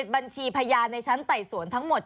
บัญชีพยานในชั้นไต่สวนทั้งหมด